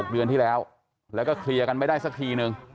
เดือนที่แล้วแล้วก็เคลียร์กันไม่ได้สักทีนึง